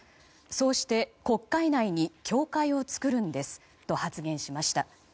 そうして、国会内に教会をつくるんですと発言しました。